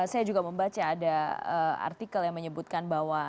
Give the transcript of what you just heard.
saya juga membaca ada artikel yang menyebutkan bahwa